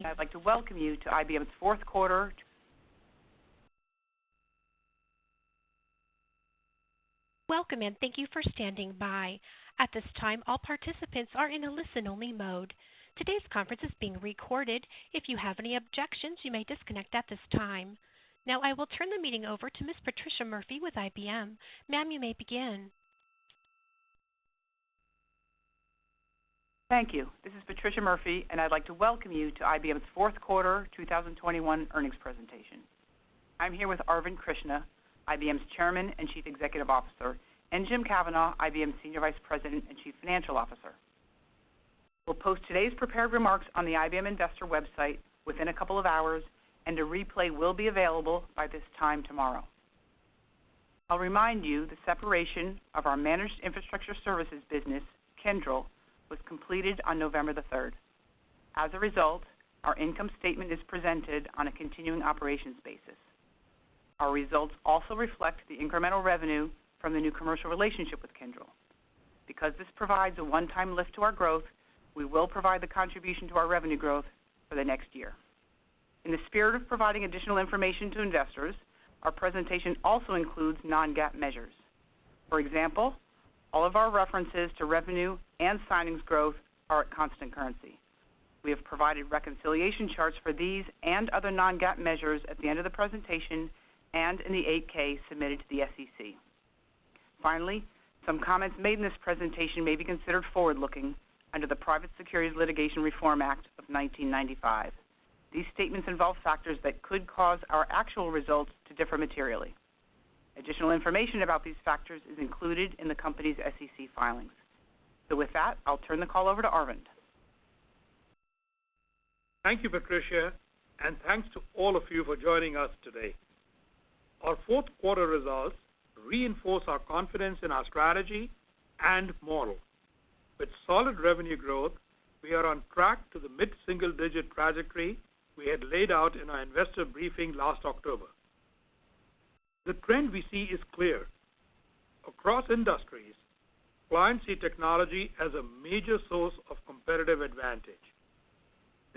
Welcome and thank you for standing by. At this time, all participants are in a listen-only mode. Today's conference is being recorded. If you have any objections, you may disconnect at this time. Now I will turn the meeting over to Ms. Patricia Murphy with IBM. Ma'am, you may begin. Thank you. This is Patricia Murphy, and I'd like to welcome you to IBM's fourth quarter 2021 earnings presentation. I'm here with Arvind Krishna, IBM's Chairman and Chief Executive Officer, and Jim Kavanaugh, IBM Senior Vice President and Chief Financial Officer. We'll post today's prepared remarks on the IBM investor website within a couple of hours, and a replay will be available by this time tomorrow. I'll remind you the separation of our managed infrastructure services business, Kyndryl, was completed on November 3rd. As a result, our income statement is presented on a continuing operations basis. Our results also reflect the incremental revenue from the new commercial relationship with Kyndryl. Because this provides a one-time lift to our growth, we will provide the contribution to our revenue growth for the next year. In the spirit of providing additional information to investors, our presentation also includes non-GAAP measures. For example, all of our references to revenue and signings growth are at constant currency. We have provided reconciliation charts for these and other non-GAAP measures at the end of the presentation and in the 8-K submitted to the SEC. Finally, some comments made in this presentation may be considered forward-looking under the Private Securities Litigation Reform Act of 1995. These statements involve factors that could cause our actual results to differ materially. Additional information about these factors is included in the company's SEC filings. With that, I'll turn the call over to Arvind. Thank you, Patricia, and thanks to all of you for joining us today. Our fourth quarter results reinforce our confidence in our strategy and model. With solid revenue growth, we are on track to the mid-single digit trajectory we had laid out in our investor briefing last October. The trend we see is clear. Across industries, clients see technology as a major source of competitive advantage.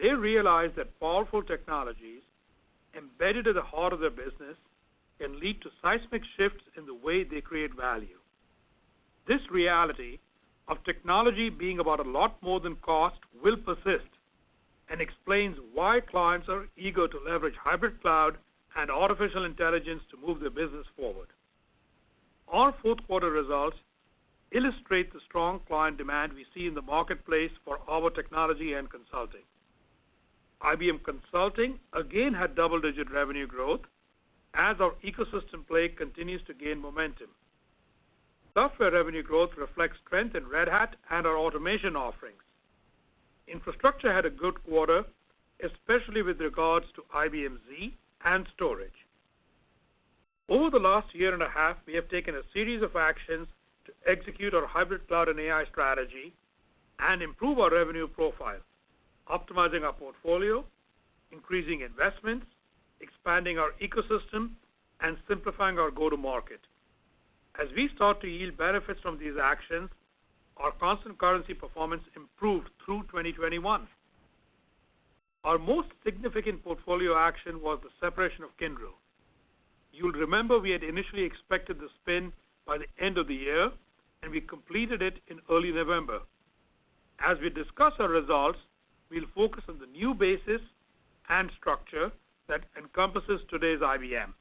They realize that powerful technologies embedded at the heart of their business can lead to seismic shifts in the way they create value. This reality of technology being about a lot more than cost will persist and explains why clients are eager to leverage hybrid cloud and artificial intelligence to move their business forward. Our fourth quarter results illustrate the strong client demand we see in the marketplace for our technology and consulting. IBM Consulting again had double-digit revenue growth as our ecosystem play continues to gain momentum. IBM Software revenue growth reflects strength in Red Hat and our automation offerings. IBM Infrastructure had a good quarter, especially with regards to IBM Z and storage. Over the last year and a half, we have taken a series of actions to execute our hybrid cloud and AI strategy and improve our revenue profile, optimizing our portfolio, increasing investments, expanding our ecosystem, and simplifying our go-to-market. As we start to yield benefits from these actions, our constant currency performance improved through 2021. Our most significant portfolio action was the separation of Kyndryl. You'll remember we had initially expected the spin by the end of the year, and we completed it in early November. As we discuss our results, we'll focus on the new basis and structure that encompasses today's IBM.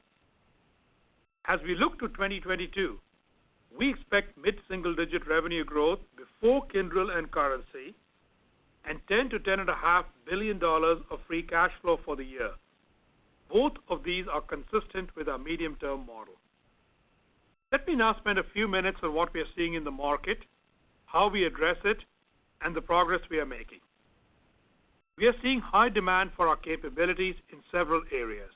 As we look to 2022, we expect mid-single-digit revenue growth before Kyndryl and currency and $10 billion-$10.5 billion of free cash flow for the year. Both of these are consistent with our medium-term model. Let me now spend a few minutes on what we are seeing in the market, how we address it, and the progress we are making. We are seeing high demand for our capabilities in several areas.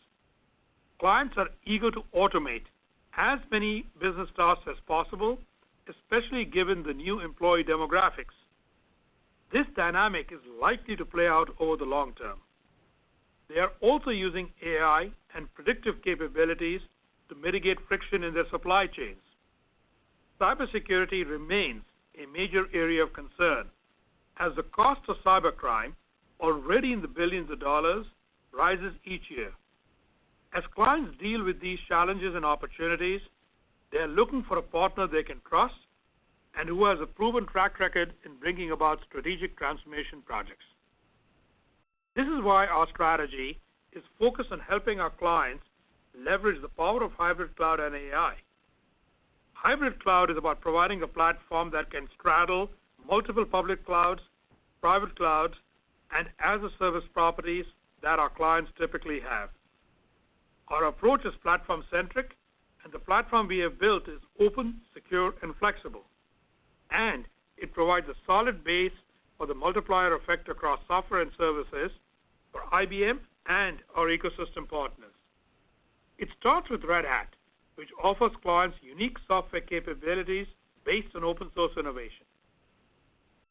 Clients are eager to automate as many business tasks as possible, especially given the new employee demographics. This dynamic is likely to play out over the long term. They are also using AI and predictive capabilities to mitigate friction in their supply chains. Cybersecurity remains a major area of concern, as the cost of cybercrime, already in the billions of dollars, rises each year. As clients deal with these challenges and opportunities, they are looking for a partner they can trust and who has a proven track record in bringing about strategic transformation projects. This is why our strategy is focused on helping our clients leverage the power of hybrid cloud and AI. Hybrid cloud is about providing a platform that can straddle multiple public clouds, private clouds, and as-a-service properties that our clients typically have. Our approach is platform-centric, and the platform we have built is open, secure, and flexible. It provides a solid base for the multiplier effect across software and services for IBM and our ecosystem partners. It starts with Red Hat, which offers clients unique software capabilities based on open-source innovation.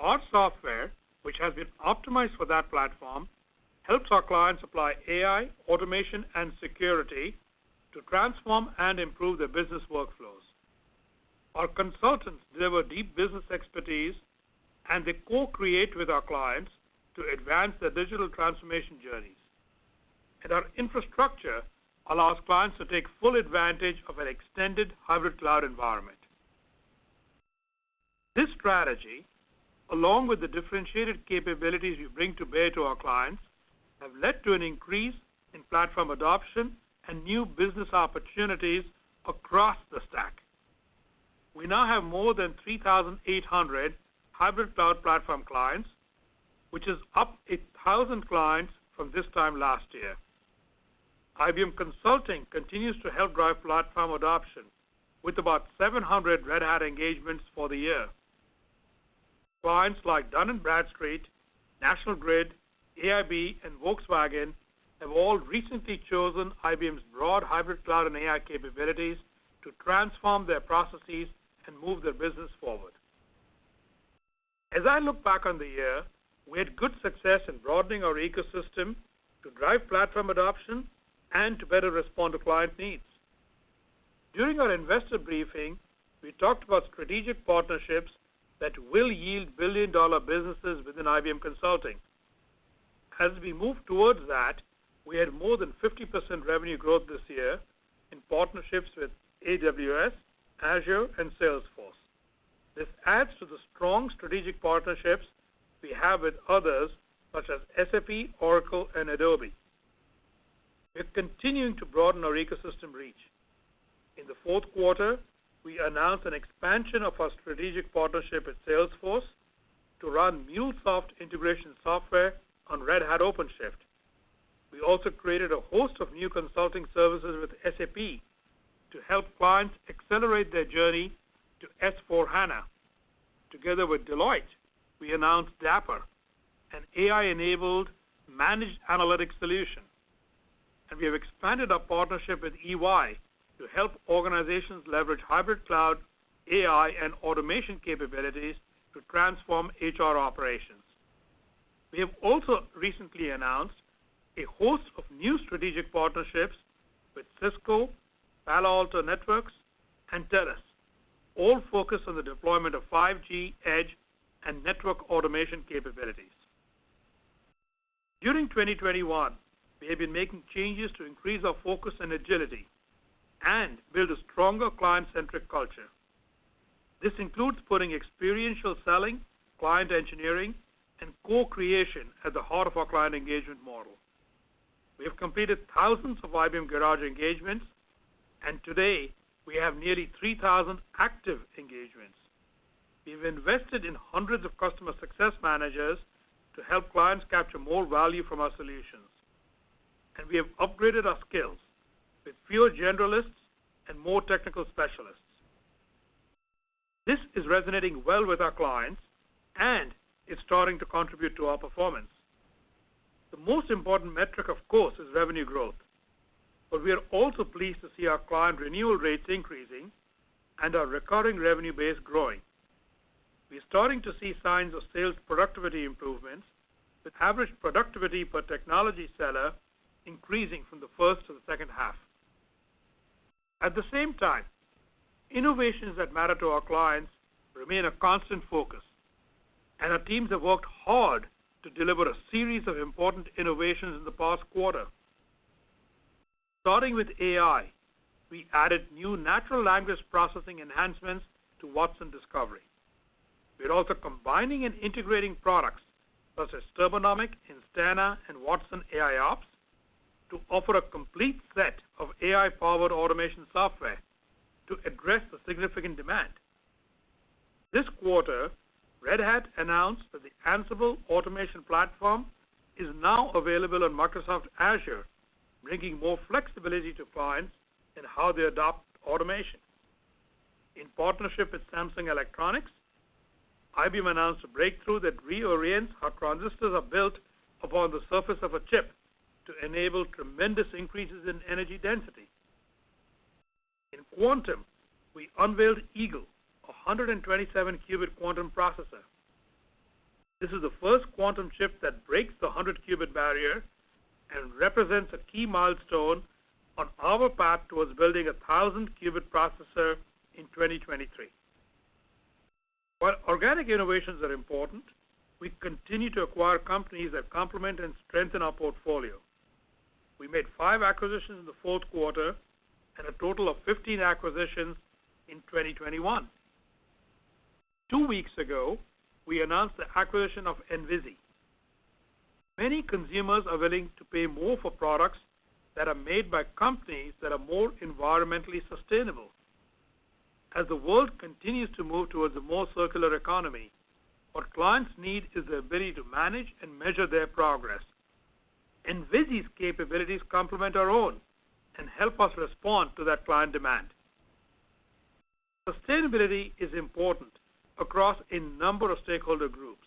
Our software, which has been optimized for that platform, helps our clients apply AI, automation, and security to transform and improve their business workflows. Our consultants deliver deep business expertise, and they co-create with our clients to advance their digital transformation journeys. Our infrastructure allows clients to take full advantage of an extended hybrid cloud environment. This strategy, along with the differentiated capabilities we bring to bear to our clients, have led to an increase in platform adoption and new business opportunities across the stack. We now have more than 3,800 hybrid cloud platform clients, which is up 8,000 clients from this time last year. IBM Consulting continues to help drive platform adoption with about 700 Red Hat engagements for the year. Clients like Dun & Bradstreet, National Grid, AIB, and Volkswagen have all recently chosen IBM's broad hybrid cloud and AI capabilities to transform their processes and move their business forward. As I look back on the year, we had good success in broadening our ecosystem to drive platform adoption and to better respond to client needs. During our investor briefing, we talked about strategic partnerships that will yield billion-dollar businesses within IBM Consulting. As we move towards that, we had more than 50% revenue growth this year in partnerships with AWS, Azure, and Salesforce. This adds to the strong strategic partnerships we have with others, such as SAP, Oracle, and Adobe. We're continuing to broaden our ecosystem reach. In the fourth quarter, we announced an expansion of our strategic partnership with Salesforce to run MuleSoft integration software on Red Hat OpenShift. We also created a host of new consulting services with SAP to help clients accelerate their journey to S/4HANA. Together with Deloitte, we announced DAPPER, an AI-enabled managed analytic solution. We have expanded our partnership with EY to help organizations leverage hybrid cloud, AI, and automation capabilities to transform HR operations. We have also recently announced a host of new strategic partnerships with Cisco, Palo Alto Networks, and TELUS, all focused on the deployment of 5G Edge and network automation capabilities. During 2021, we have been making changes to increase our focus and agility and build a stronger client-centric culture. This includes putting experiential selling, client engineering, and co-creation at the heart of our client engagement model. We have completed thousands of IBM Garage engagements, and today, we have nearly 3,000 active engagements. We've invested in hundreds of customer success managers to help clients capture more value from our solutions. We have upgraded our skills with fewer generalists and more technical specialists. This is resonating well with our clients and is starting to contribute to our performance. The most important metric, of course, is revenue growth, but we are also pleased to see our client renewal rates increasing and our recurring revenue base growing. We're starting to see signs of sales productivity improvements, with average productivity per technology seller increasing from the first to the second half. At the same time, innovations that matter to our clients remain a constant focus, and our teams have worked hard to deliver a series of important innovations in the past quarter. Starting with AI, we added new natural language processing enhancements to Watson Discovery. We're also combining and integrating products such as Turbonomic, Instana, and Watson AIOps to offer a complete set of AI-powered automation software to address the significant demand. This quarter, Red Hat announced that the Ansible automation platform is now available on Microsoft Azure, bringing more flexibility to clients in how they adopt automation. In partnership with Samsung Electronics, IBM announced a breakthrough that reorients how transistors are built upon the surface of a chip to enable tremendous increases in energy density. In quantum, we unveiled Eagle, a 127-qubit quantum processor. This is the first quantum chip that breaks the 100-qubit barrier and represents a key milestone on our path towards building a 1,000-qubit processor in 2023. While organic innovations are important, we continue to acquire companies that complement and strengthen our portfolio. We made five acquisitions in the fourth quarter and a total of 15 acquisitions in 2021. Two weeks ago, we announced the acquisition of Envizi. Many consumers are willing to pay more for products that are made by companies that are more environmentally sustainable. As the world continues to move towards a more circular economy, what clients need is the ability to manage and measure their progress. Envizi's capabilities complement our own and help us respond to that client demand. Sustainability is important across a number of stakeholder groups,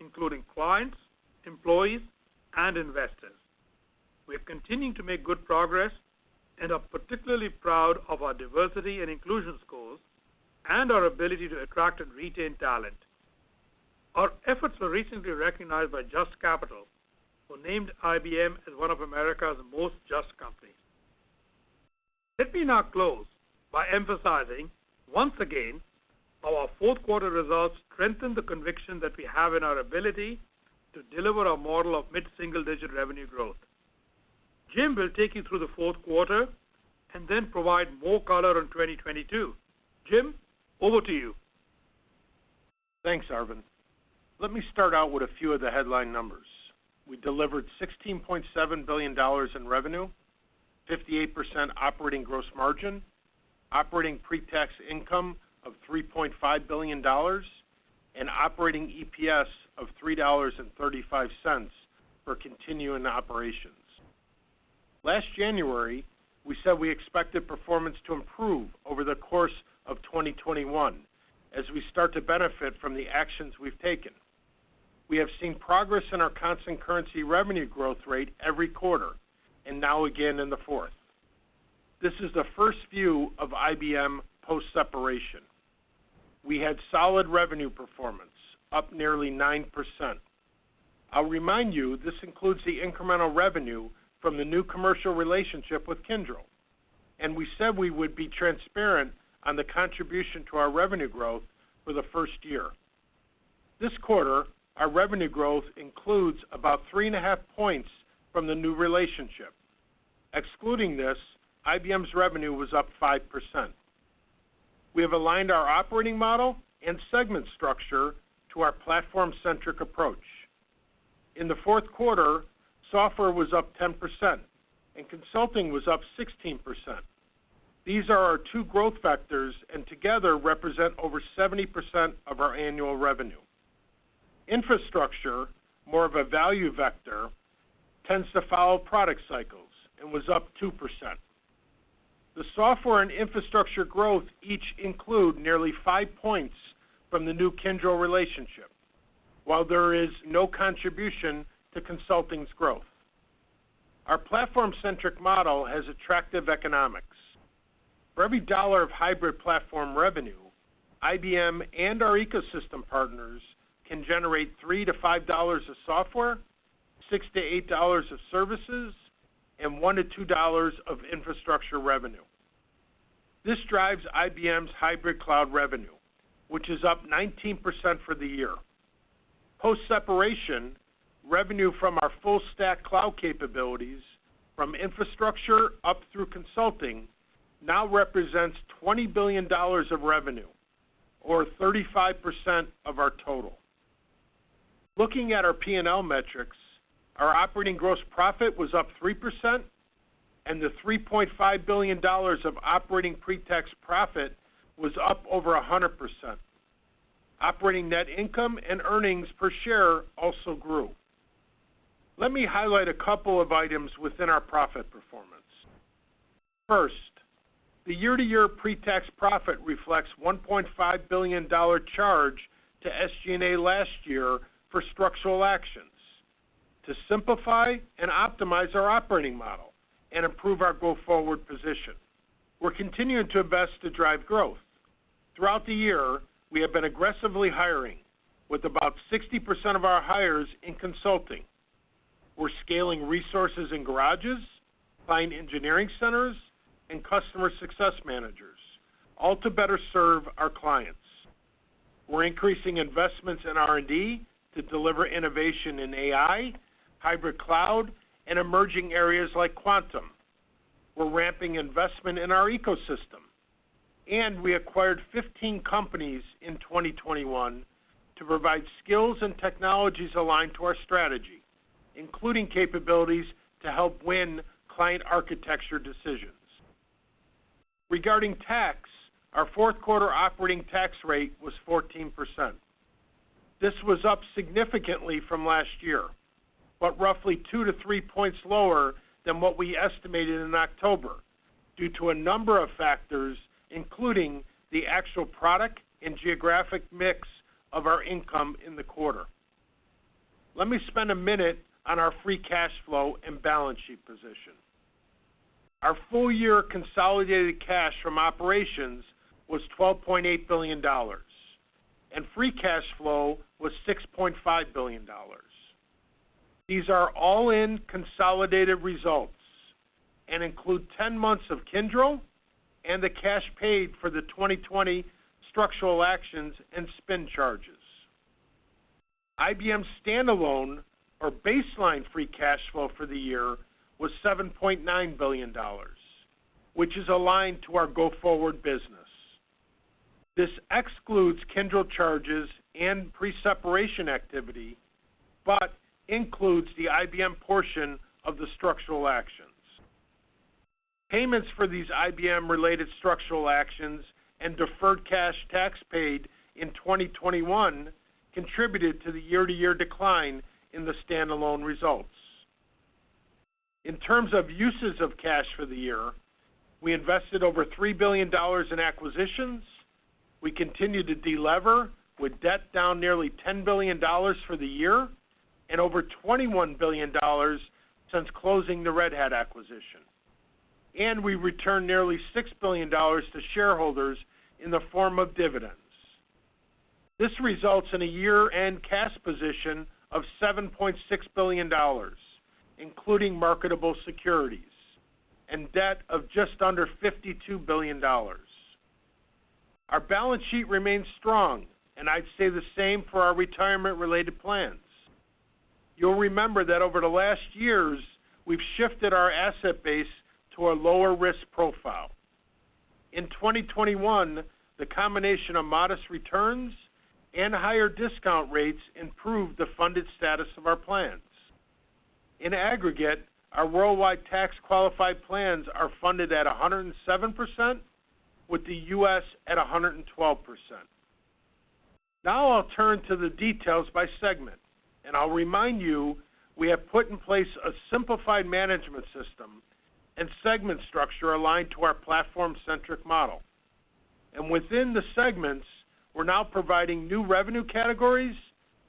including clients, employees, and investors. We are continuing to make good progress and are particularly proud of our diversity and inclusion scores and our ability to attract and retain talent. Our efforts were recently recognized by Just Capital, who named IBM as one of America's most just companies. Let me now close by emphasizing once again our fourth quarter results strengthen the conviction that we have in our ability to deliver a model of mid-single-digit revenue growth. Jim will take you through the fourth quarter and then provide more color on 2022. Jim, over to you. Thanks, Arvind. Let me start out with a few of the headline numbers. We delivered $16.7 billion in revenue, 58% operating gross margin, operating pre-tax income of $3.5 billion, and operating EPS of $3.35 for continuing operations. Last January, we said we expected performance to improve over the course of 2021 as we start to benefit from the actions we've taken. We have seen progress in our constant currency revenue growth rate every quarter, and now again in the fourth. This is the first view of IBM post-separation. We had solid revenue performance, up nearly 9%. I'll remind you, this includes the incremental revenue from the new commercial relationship with Kyndryl, and we said we would be transparent on the contribution to our revenue growth for the first year. This quarter, our revenue growth includes about 3.5 points from the new relationship. Excluding this, IBM's revenue was up 5%. We have aligned our operating model and segment structure to our platform-centric approach. In the fourth quarter, Software was up 10% and Consulting was up 16%. These are our two growth vectors and together represent over 70% of our annual revenue. Infrastructure, more of a value vector, tends to follow product cycles and was up 2%. The Software and Infrastructure growth each include nearly 5 points from the new Kyndryl relationship while there is no contribution to Consulting's growth. Our platform-centric model has attractive economics. For every dollar of hybrid platform revenue, IBM and our ecosystem partners can generate $3-$5 of Software, $6-$8 of services, and $1-$2 of Infrastructure revenue. This drives IBM's hybrid cloud revenue, which is up 19% for the year. Post-separation, revenue from our full stack cloud capabilities from infrastructure up through consulting now represents $20 billion of revenue or 35% of our total. Looking at our P&L metrics, our operating gross profit was up 3% and the $3.5 billion of operating pre-tax profit was up over 100%. Operating net income and earnings per share also grew. Let me highlight a couple of items within our profit performance. First, the year-to-year pre-tax profit reflects $1.5 billion dollar charge to SG&A last year for structural actions to simplify and optimize our operating model and improve our go-forward position. We're continuing to invest to drive growth. Throughout the year, we have been aggressively hiring with about 60% of our hires in consulting. We're scaling resources in garages, client engineering centers, and customer success managers, all to better serve our clients. We're increasing investments in R&D to deliver innovation in AI, hybrid cloud, and emerging areas like quantum. We're ramping investment in our ecosystem, and we acquired 15 companies in 2021 to provide skills and technologies aligned to our strategy, including capabilities to help win client architecture decisions. Regarding tax, our fourth quarter operating tax rate was 14%. This was up significantly from last year, but roughly 2-3 points lower than what we estimated in October due to a number of factors, including the actual product and geographic mix of our income in the quarter. Let me spend a minute on our free cash flow and balance sheet position. Our full-year consolidated cash from operations was $12.8 billion, and free cash flow was $6.5 billion. These are all in consolidated results and include 10 months of Kyndryl and the cash paid for the 2020 structural actions and spin charges. IBM standalone, our baseline free cash flow for the year was $7.9 billion, which is aligned to our go-forward business. This excludes Kyndryl charges and pre-separation activity, but includes the IBM portion of the structural actions. Payments for these IBM-related structural actions and deferred cash tax paid in 2021 contributed to the year-to-year decline in the standalone results. In terms of uses of cash for the year, we invested over $3 billion in acquisitions. We continued to delever with debt down nearly $10 billion for the year and over $21 billion since closing the Red Hat acquisition. We returned nearly $6 billion to shareholders in the form of dividends. This results in a year-end cash position of $7.6 billion, including marketable securities and debt of just under $52 billion. Our balance sheet remains strong, and I'd say the same for our retirement-related plans. You'll remember that over the last years, we've shifted our asset base to a lower risk profile. In 2021, the combination of modest returns and higher discount rates improved the funded status of our plans. In aggregate, our worldwide tax-qualified plans are funded at 107%, with the U.S. at 112%. Now I'll turn to the details by segment, and I'll remind you, we have put in place a simplified management system and segment structure aligned to our platform-centric model. Within the segments, we're now providing new revenue categories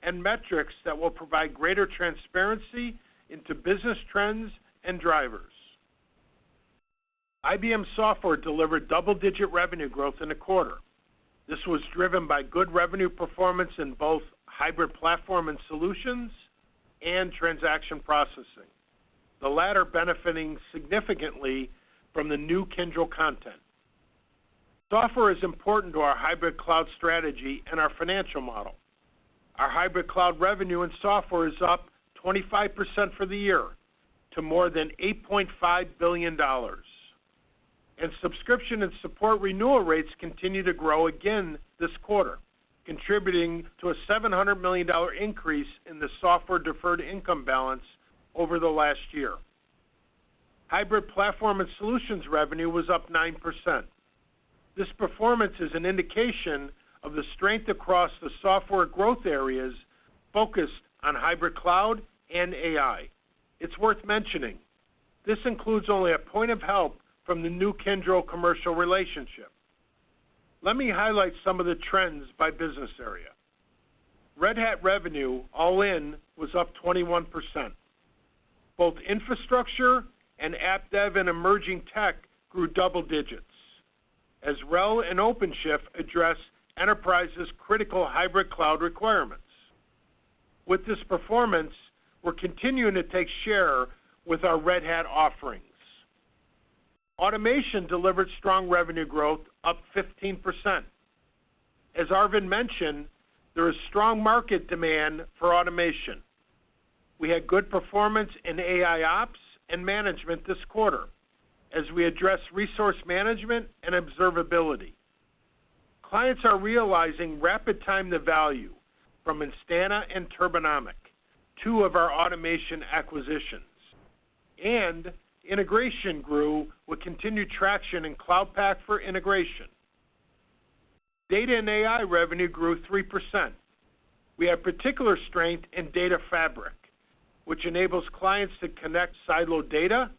and metrics that will provide greater transparency into business trends and drivers. IBM Software delivered double-digit revenue growth in the quarter. This was driven by good revenue performance in both hybrid platform and solutions and transaction processing, the latter benefiting significantly from the new Kyndryl content. Software is important to our hybrid cloud strategy and our financial model. Our hybrid cloud revenue and software is up 25% for the year to more than $8.5 billion. Subscription and support renewal rates continue to grow again this quarter, contributing to a $700 million increase in the software deferred income balance over the last year. Hybrid platform and solutions revenue was up 9%. This performance is an indication of the strength across the software growth areas focused on hybrid cloud and AI. It's worth mentioning, this includes only one point from the new Kyndryl commercial relationship. Let me highlight some of the trends by business area. Red Hat revenue all in was up 21%. Both infrastructure and app dev and emerging tech grew double digits as RHEL and OpenShift address enterprise's critical hybrid cloud requirements. With this performance, we're continuing to take share with our Red Hat offerings. Automation delivered strong revenue growth, up 15%. As Arvind mentioned, there is strong market demand for automation. We had good performance in AIOps and management this quarter as we address resource management and observability. Clients are realizing rapid time to value from Instana and Turbonomic, two of our automation acquisitions. Integration grew with continued traction in Cloud Pak for Integration. Data and AI revenue grew 3%. We have particular strength in data fabric, which enables clients to connect siloed data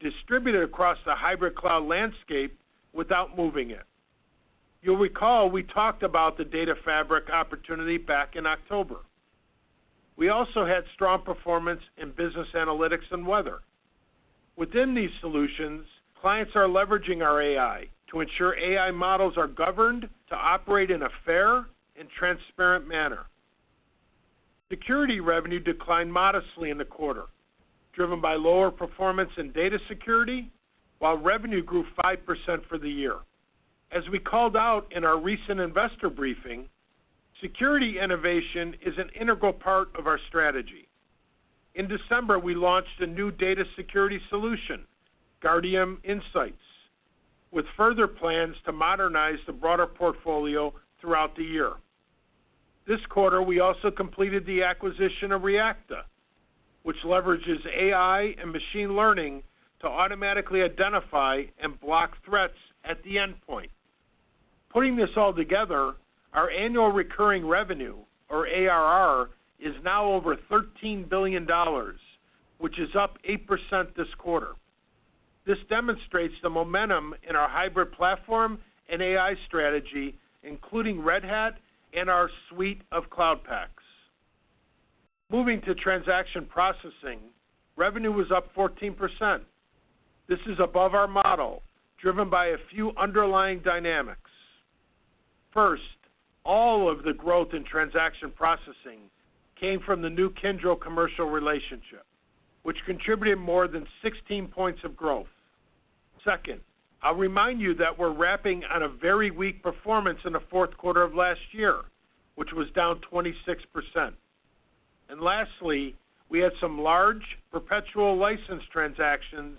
distributed across the hybrid cloud landscape without moving it. You'll recall we talked about the data fabric opportunity back in October. We also had strong performance in business analytics and Weather. Within these solutions, clients are leveraging our AI to ensure AI models are governed to operate in a fair and transparent manner. Security revenue declined modestly in the quarter, driven by lower performance in data security, while revenue grew 5% for the year. As we called out in our recent investor briefing, security innovation is an integral part of our strategy. In December, we launched a new data security solution, Guardium Insights, with further plans to modernize the broader portfolio throughout the year. This quarter, we also completed the acquisition of ReaQta, which leverages AI and machine learning to automatically identify and block threats at the endpoint. Putting this all together, our annual recurring revenue or ARR is now over $13 billion, which is up 8% this quarter. This demonstrates the momentum in our hybrid platform and AI strategy, including Red Hat and our suite of Cloud Paks. Moving to transaction processing, revenue was up 14%. This is above our model, driven by a few underlying dynamics. First, all of the growth in transaction processing came from the new Kyndryl commercial relationship, which contributed more than 16 points of growth. Second, I'll remind you that we're wrapping on a very weak performance in the fourth quarter of last year, which was down 26%. Lastly, we had some large perpetual license transactions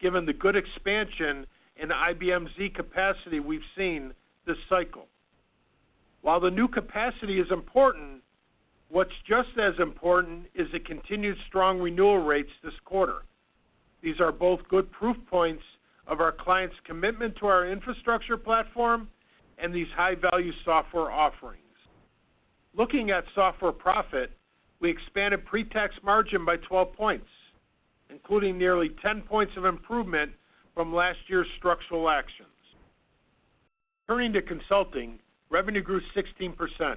given the good expansion in IBM Z capacity we've seen this cycle. While the new capacity is important, what's just as important is the continued strong renewal rates this quarter. These are both good proof points of our clients' commitment to our infrastructure platform and these high-value software offerings. Looking at software profit, we expanded pre-tax margin by 12 points, including nearly 10 points of improvement from last year's structural actions. Turning to consulting, revenue grew 16%,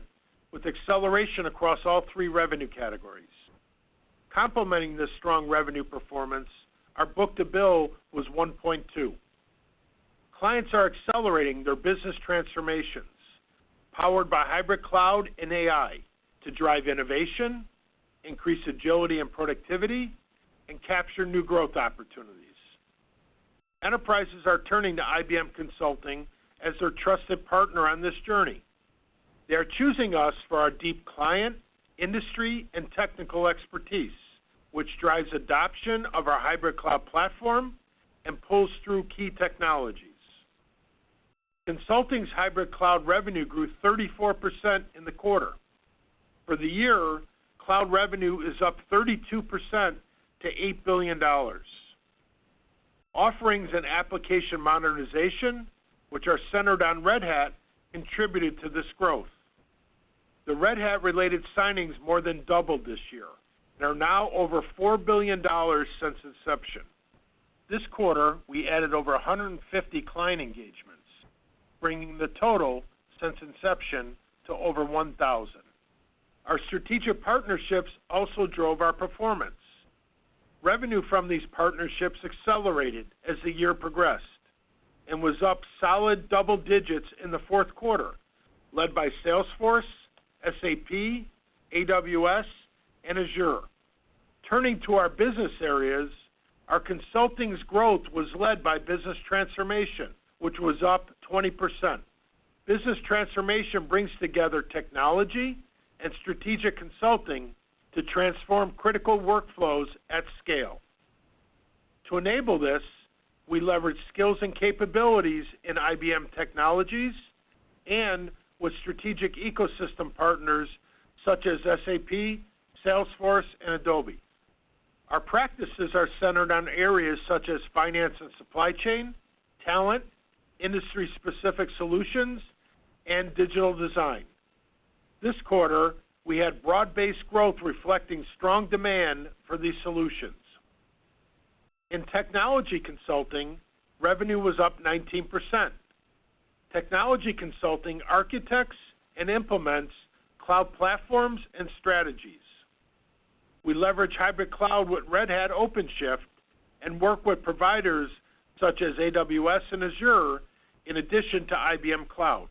with acceleration across all three revenue categories. Complementing this strong revenue performance, our book-to-bill was 1.2. Clients are accelerating their business transformations, powered by hybrid cloud and AI to drive innovation, increase agility and productivity, and capture new growth opportunities. Enterprises are turning to IBM Consulting as their trusted partner on this journey. They are choosing us for our deep client, industry, and technical expertise, which drives adoption of our hybrid cloud platform and pulls through key technologies. Consulting's hybrid cloud revenue grew 34% in the quarter. For the year, cloud revenue is up 32% to $8 billion. Offerings and application modernization, which are centered on Red Hat, contributed to this growth. The Red Hat-related signings more than doubled this year. They're now over $4 billion since inception. This quarter, we added over 150 client engagements, bringing the total since inception to over 1,000. Our strategic partnerships also drove our performance. Revenue from these partnerships accelerated as the year progressed and was up solid double digits in the fourth quarter, led by Salesforce, SAP, AWS, and Azure. Turning to our business areas, our consulting's growth was led by business transformation, which was up 20%. Business transformation brings together technology and strategic consulting to transform critical workflows at scale. To enable this, we leverage skills and capabilities in IBM technologies and with strategic ecosystem partners such as SAP, Salesforce, and Adobe. Our practices are centered on areas such as finance and supply chain, talent, industry-specific solutions, and digital design. This quarter, we had broad-based growth reflecting strong demand for these solutions. In technology consulting, revenue was up 19%. Technology consulting architects and implements cloud platforms and strategies. We leverage hybrid cloud with Red Hat OpenShift and work with providers such as AWS and Azure in addition to IBM Cloud.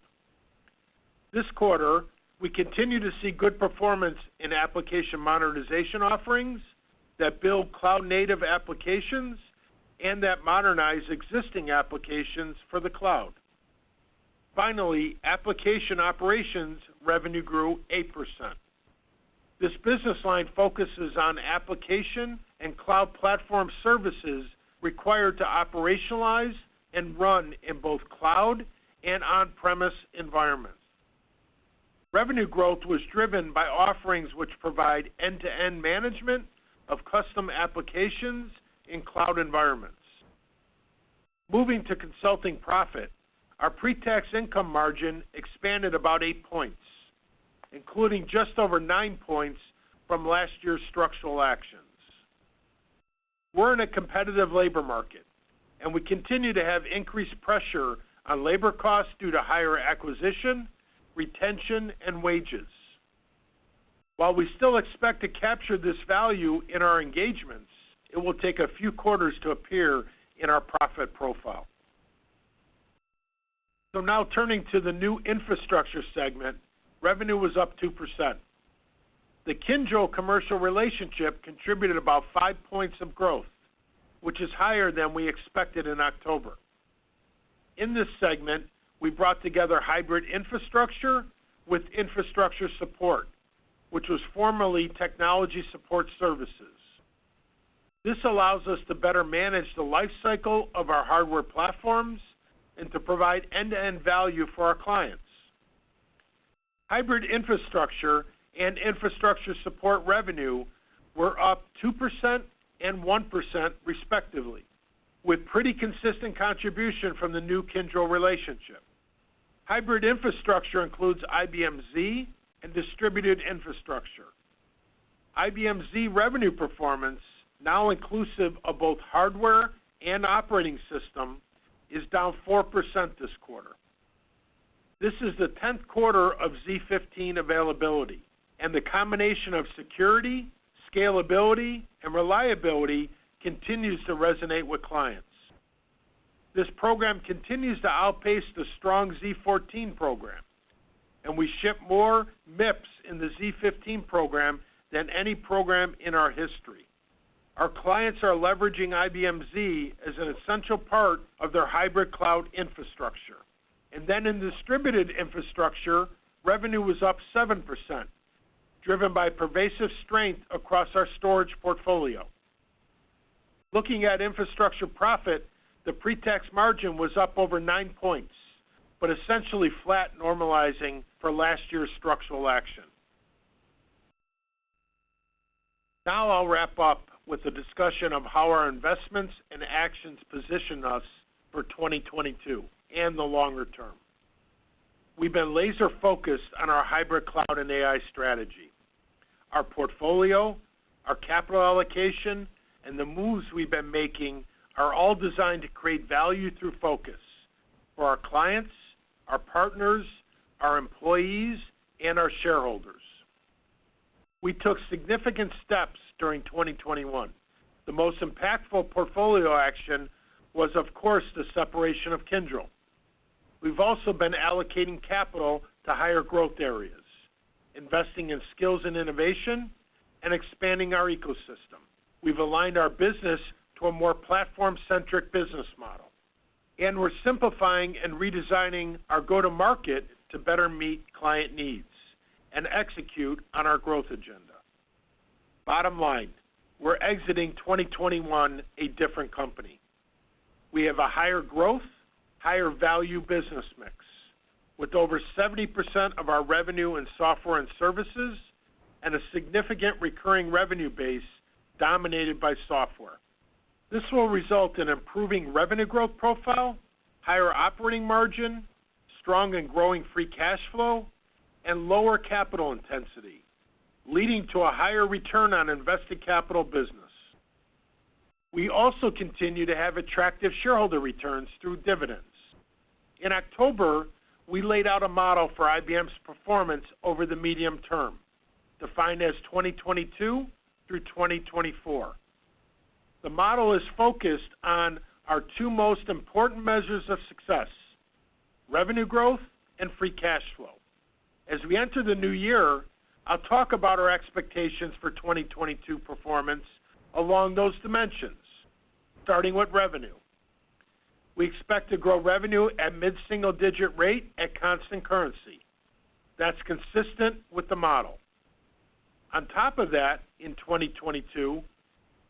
This quarter, we continue to see good performance in application modernization offerings that build cloud-native applications and that modernize existing applications for the cloud. Finally, application operations revenue grew 8%. This business line focuses on application and cloud platform services required to operationalize and run in both cloud and on-premise environments. Revenue growth was driven by offerings which provide end-to-end management of custom applications in cloud environments. Moving to consulting profit, our pre-tax income margin expanded about 8 points, including just over 9 points from last year's structural actions. We're in a competitive labor market, and we continue to have increased pressure on labor costs due to higher acquisition, retention, and wages. While we still expect to capture this value in our engagements, it will take a few quarters to appear in our profit profile. Now turning to the new infrastructure segment, revenue was up 2%. The Kyndryl commercial relationship contributed about 5 points of growth, which is higher than we expected in October. In this segment, we brought together hybrid infrastructure with infrastructure support, which was formerly technology support services. This allows us to better manage the life cycle of our hardware platforms and to provide end-to-end value for our clients. Hybrid infrastructure and infrastructure support revenue were up 2% and 1% respectively, with pretty consistent contribution from the new Kyndryl relationship. Hybrid infrastructure includes IBM Z and distributed infrastructure. IBM Z revenue performance, now inclusive of both hardware and operating system, is down 4% this quarter. This is the 10th quarter of z15 availability, and the combination of security, scalability, and reliability continues to resonate with clients. This program continues to outpace the strong z14 program, and we ship more MIPS in the z15 program than any program in our history. Our clients are leveraging IBM Z as an essential part of their hybrid cloud infrastructure. Then in distributed infrastructure, revenue was up 7%, driven by pervasive strength across our storage portfolio. Looking at infrastructure profit, the pre-tax margin was up over 9 points, but essentially flat normalizing for last year's structural action. Now I'll wrap up with a discussion of how our investments and actions position us for 2022 and the longer term. We've been laser-focused on our hybrid cloud and AI strategy. Our portfolio, our capital allocation, and the moves we've been making are all designed to create value through focus for our clients, our partners, our employees, and our shareholders. We took significant steps during 2021. The most impactful portfolio action was, of course, the separation of Kyndryl. We've also been allocating capital to higher growth areas, investing in skills and innovation, and expanding our ecosystem. We've aligned our business to a more platform-centric business model, and we're simplifying and redesigning our go-to-market to better meet client needs and execute on our growth agenda. Bottom line, we're exiting 2021 a different company. We have a higher growth, higher value business mix, with over 70% of our revenue in software and services and a significant recurring revenue base dominated by software. This will result in improving revenue growth profile, higher operating margin, strong and growing free cash flow, and lower capital intensity, leading to a higher return on invested capital business. We also continue to have attractive shareholder returns through dividends. In October, we laid out a model for IBM's performance over the medium term, defined as 2022 through 2024. The model is focused on our two most important measures of success, revenue growth and free cash flow. As we enter the new year, I'll talk about our expectations for 2022 performance along those dimensions, starting with revenue. We expect to grow revenue at a mid-single-digit rate at constant currency. That's consistent with the model. On top of that, in 2022,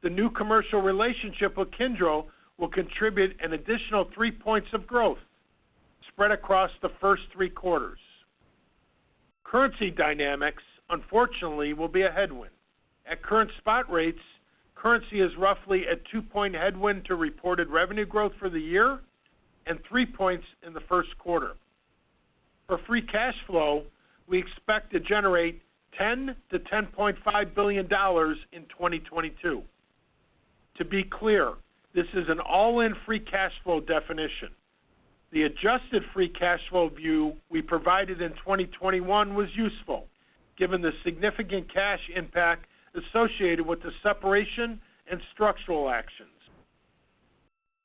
the new commercial relationship with Kyndryl will contribute an additional 3 points of growth spread across the first three quarters. Currency dynamics, unfortunately, will be a headwind. At current spot rates, currency is roughly a 2 point headwind to reported revenue growth for the year and 3 points in the first quarter. For free cash flow, we expect to generate $10 billion-$10.5 billion in 2022. To be clear, this is an all-in free cash flow definition. The adjusted free cash flow view we provided in 2021 was useful given the significant cash impact associated with the separation and structural actions.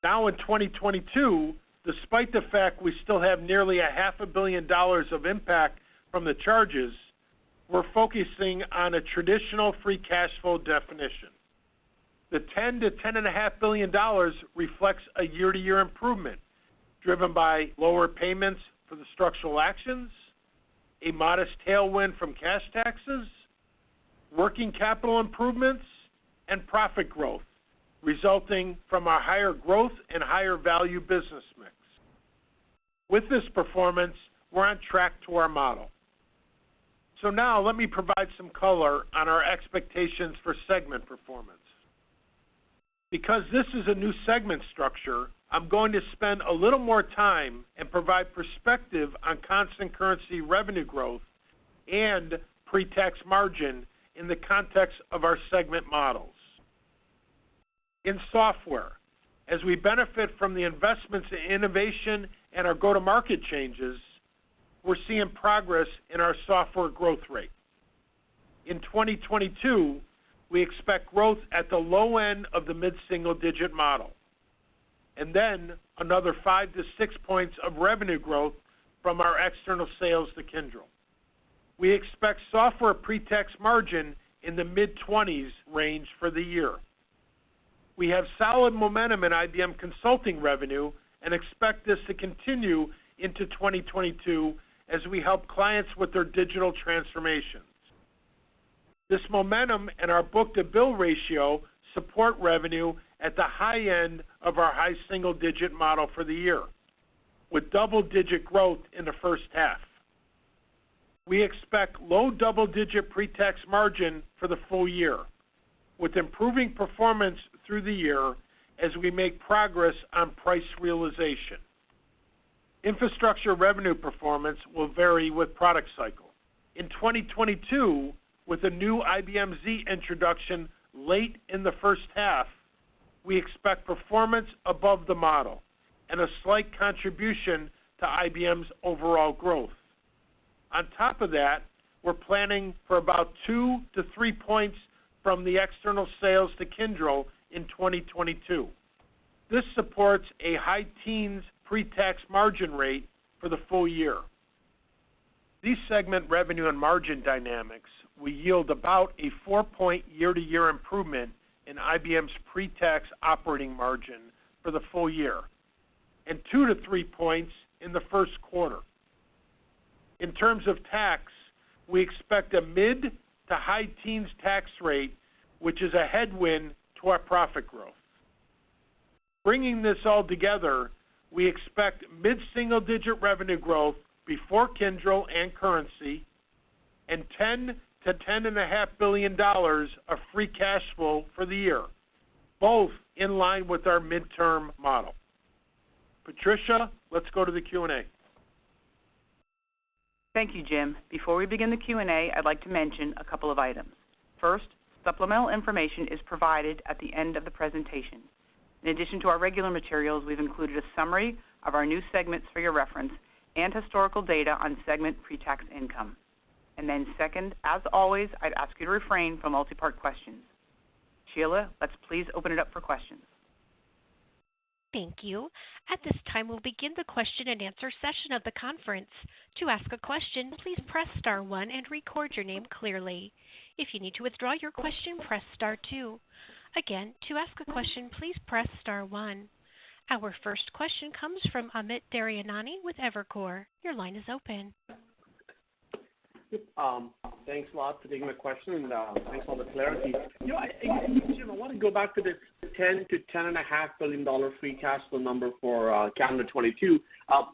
Now in 2022, despite the fact we still have nearly a half a billion dollars of impact from the charges, we're focusing on a traditional free cash flow definition. The $10 billion-$10.5 billion reflects a year-to-year improvement driven by lower payments for the structural actions, a modest tailwind from cash taxes, working capital improvements, and profit growth resulting from our higher growth and higher value business mix. With this performance, we're on track to our model. Now let me provide some color on our expectations for segment performance. Because this is a new segment structure, I'm going to spend a little more time and provide perspective on constant currency revenue growth and pre-tax margin in the context of our segment models. In Software, as we benefit from the investments in innovation and our go-to-market changes, we're seeing progress in our Software growth rate. In 2022, we expect growth at the low end of the mid-single-digit% model, and then another 5-6 points of revenue growth from our external sales to Kyndryl. We expect software pre-tax margin in the mid 20% range for the year. We have solid momentum in IBM Consulting revenue and expect this to continue into 2022 as we help clients with their digital transformations. This momentum and our book-to-bill ratio support revenue at the high end of our high single-digit% model for the year, with double-digit% growth in the first half. We expect low double-digit% pre-tax margin for the full-year, with improving performance through the year as we make progress on price realization. Infrastructure revenue performance will vary with product cycle. In 2022, with the new IBM Z introduction late in the first half, we expect performance above the model and a slight contribution to IBM's overall growth. On top of that, we're planning for about 2-3 points from the external sales to Kyndryl in 2022. This supports a high-teens pre-tax margin rate for the full-year. These segment revenue and margin dynamics will yield about a 4-point year-to-year improvement in IBM's pre-tax operating margin for the full-year and 2-3 points in the first quarter. In terms of tax, we expect a mid- to high-teens tax rate, which is a headwind to our profit growth. Bringing this all together, we expect mid-single-digit revenue growth before Kyndryl and currency and $10-$10.5 billion of free cash flow for the year, both in line with our mid-term model. Patricia, let's go to the Q&A. Thank you, Jim. Before we begin the Q&A, I'd like to mention a couple of items. First, supplemental information is provided at the end of the presentation. In addition to our regular materials, we've included a summary of our new segments for your reference and historical data on segment pretax income. Second, as always, I'd ask you to refrain from multipart questions. Sheila, let's please open it up for questions. Thank you. At this time, we'll begin the question-and-answer session of the conference. To ask a question, please press star one and record your name clearly. If you need to withdraw your question, press star two. Again, to ask a question, please press star one. Our first question comes from Amit Daryanani with Evercore. Your line is open. Thanks a lot for taking my question, and thanks for all the clarity. You know, Jim, I wanna go back to this $10 billion-$10.5 billion free cash flow number for calendar 2022.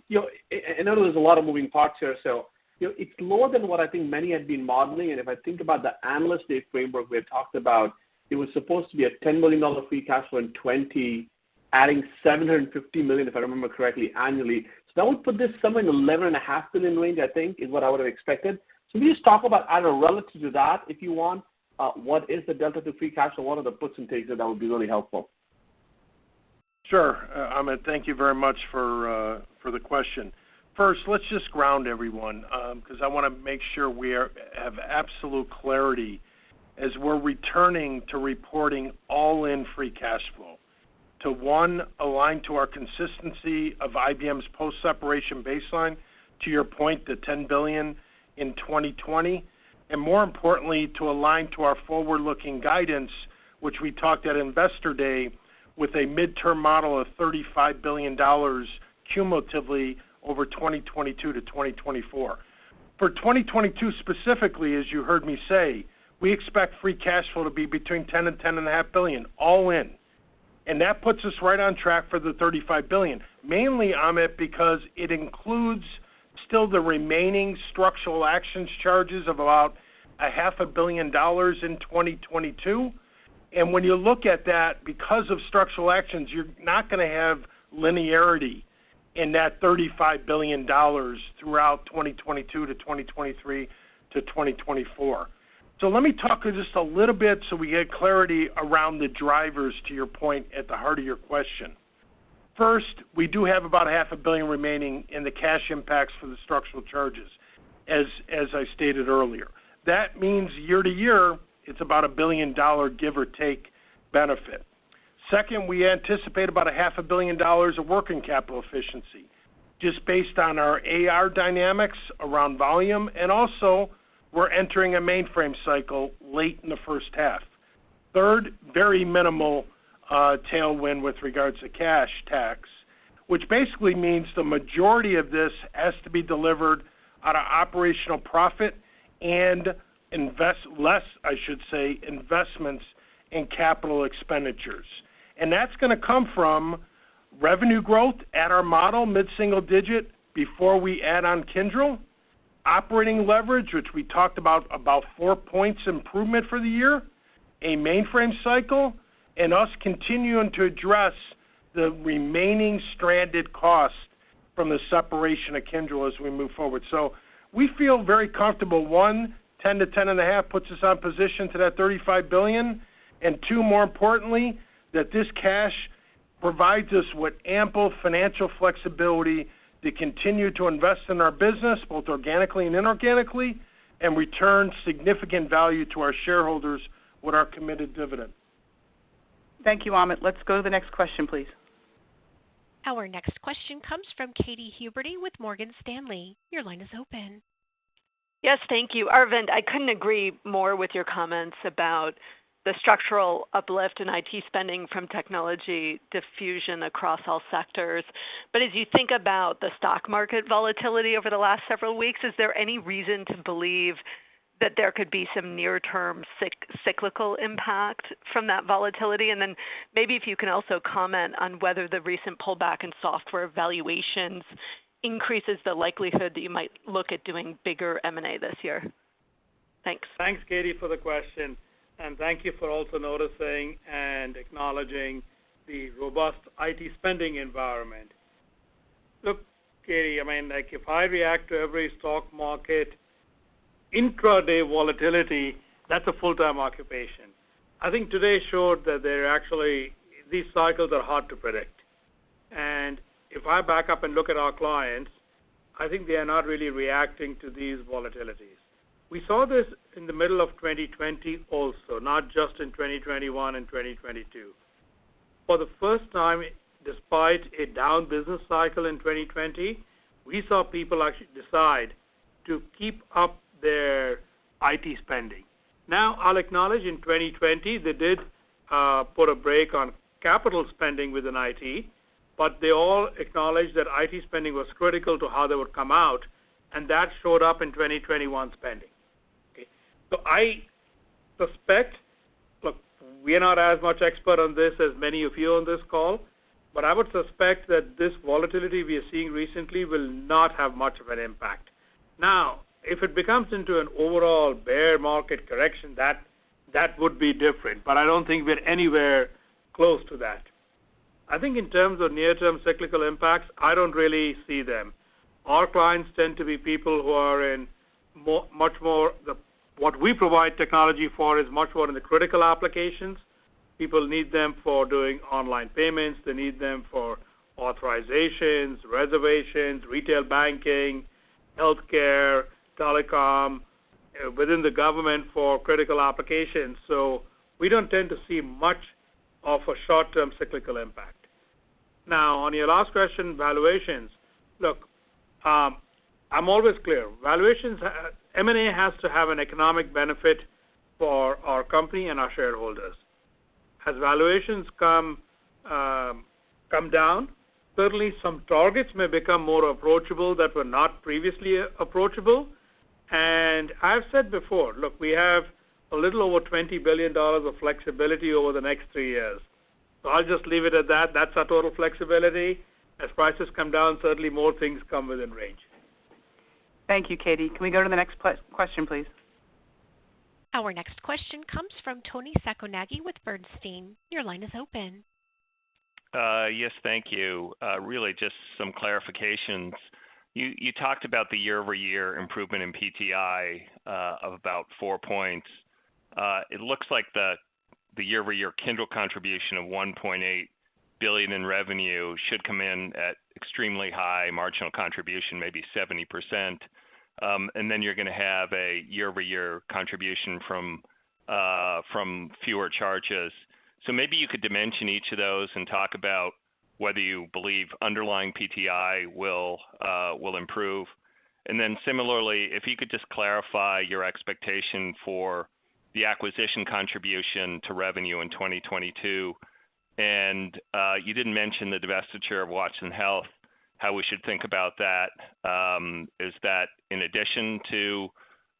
You know, I know there's a lot of moving parts here, so you know, it's more than what I think many had been modeling, and if I think about the Analyst Day framework we had talked about, it was supposed to be a $10 billion free cash flow in 2020, adding $750 million, if I remember correctly, annually. That would put this somewhere in the $11.5 billion range, I think is what I would have expected. Can you just talk about either relative to that, if you want, what is the delta to free cash flow? What are the puts and takes of that would be really helpful? Sure, Amit. Thank you very much for the question. First, let's just ground everyone, 'cause I wanna make sure we have absolute clarity as we're returning to reporting all-in free cash flow to one, align to our consistency of IBM's post-separation baseline, to your point, the $10 billion in 2020, and more importantly, to align to our forward-looking guidance, which we talked at Investor Day with a midterm model of $35 billion cumulatively over 2022-2024. For 2022 specifically, as you heard me say, we expect free cash flow to be between $10 billion and $10.5 billion all in. That puts us right on track for the $35 billion, mainly, Amit, because it includes still the remaining structural actions charges of about $0.5 billion in 2022. When you look at that, because of structural actions, you're not gonna have linearity in that $35 billion throughout 2022 to 2023 to 2024. Let me talk just a little bit so we get clarity around the drivers to your point at the heart of your question. First, we do have about half a billion remaining in the cash impacts for the structural charges, as I stated earlier. That means year to year, it's about $1 billion, give or take, benefit. Second, we anticipate about half a billion dollars of working capital efficiency, just based on our AR dynamics around volume, and also we're entering a mainframe cycle late in the first half. Third, very minimal tailwind with regards to cash tax, which basically means the majority of this has to be delivered out of operational profit and investments in capital expenditures. That's gonna come from revenue growth at our model, mid-single-digit, before we add on Kyndryl, operating leverage, which we talked about 4 points improvement for the year, a mainframe cycle, and us continuing to address the remaining stranded costs from the separation of Kyndryl as we move forward. We feel very comfortable. One, $10 billion to $10.5 billion puts us in position for that $35 billion. Two, more importantly, that this cash provides us with ample financial flexibility to continue to invest in our business, both organically and inorganically, and return significant value to our shareholders with our committed dividend. Thank you, Amit. Let's go to the next question, please. Our next question comes from Kathryn Huberty with Morgan Stanley. Your line is open. Yes, thank you. Arvind, I couldn't agree more with your comments about the structural uplift in IT spending from technology diffusion across all sectors. As you think about the stock market volatility over the last several weeks, is there any reason to believe that there could be some near-term cyclical impact from that volatility? Then maybe if you can also comment on whether the recent pullback in software valuations increases the likelihood that you might look at doing bigger M&A this year. Thanks. Thanks, Katy, for the question, and thank you for also noticing and acknowledging the robust IT spending environment. Look, Katy, I mean, like, if I react to every stock market intraday volatility, that's a full-time occupation. I think today showed that they're actually these cycles are hard to predict. If I back up and look at our clients, I think they are not really reacting to these volatilities. We saw this in the middle of 2020 also, not just in 2021 and 2022. For the first time, despite a down business cycle in 2020, we saw people actually decide to keep up their IT spending. Now, I'll acknowledge in 2020, they did put a break on capital spending within IT, but they all acknowledged that IT spending was critical to how they would come out, and that showed up in 2021 spending. Look, we are not as much expert on this as many of you on this call, but I would suspect that this volatility we are seeing recently will not have much of an impact. Now, if it becomes into an overall bear market correction, that would be different, but I don't think we're anywhere close to that. I think in terms of near-term cyclical impacts, I don't really see them. Our clients tend to be people who are in much more. What we provide technology for is much more in the critical applications. People need them for doing online payments. They need them for authorizations, reservations, retail banking, healthcare, telecom, within the government for critical applications. So we don't tend to see much of a short-term cyclical impact. Now on your last question, valuations. Look, I'm always clear. Valuations, M&A has to have an economic benefit for our company and our shareholders. As valuations come down, certainly some targets may become more approachable that were not previously approachable. I've said before, look, we have a little over $20 billion of flexibility over the next three years. So I'll just leave it at that. That's our total flexibility. As prices come down, certainly more things come within range. Thank you, Katy. Can we go to the next question, please? Our next question comes from Toni Sacconaghi with Bernstein. Your line is open. Yes, thank you. Really just some clarifications. You talked about the year-over-year improvement in PTI of about 4 points. It looks like the year-over-year Kyndryl contribution of $1.8 billion in revenue should come in at extremely high marginal contribution, maybe 70%. You're gonna have a year-over-year contribution from fewer charges. Maybe you could dimension each of those and talk about whether you believe underlying PTI will improve. Similarly, if you could just clarify your expectation for the acquisition contribution to revenue in 2022. You didn't mention the divestiture of Watson Health, how we should think about that. Is that in addition to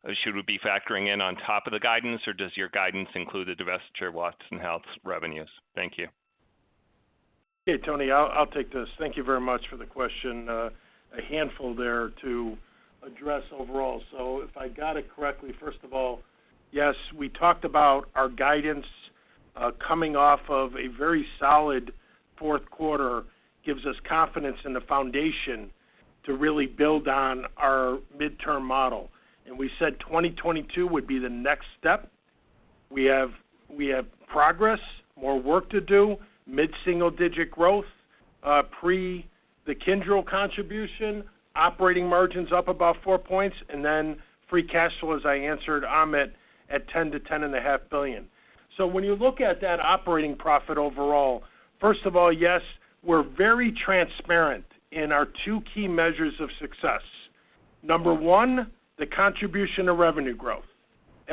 or should we be factoring in on top of the guidance, or does your guidance include the divestiture of Watson Health's revenues? Thank you. Yeah, Toni, I'll take this. Thank you very much for the question. A handful there to address overall. If I got it correctly, first of all, yes, we talked about our guidance coming off of a very solid fourth quarter gives us confidence in the foundation to really build on our midterm model. We said 2022 would be the next step. We have progress, more work to do, mid-single-digit growth pre the Kyndryl contribution, operating margins up about 4 points, and then free cash flow, as I answered Amit, at $10 billion-$10.5 billion. When you look at that operating profit overall, first of all, yes, we're very transparent in our two key measures of success. Number one, the contribution of revenue growth.